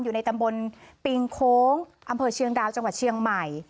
อยู่ในตำบลปิงโค้งอำเภอเชียงดาวจังหวัดเชียงใหม่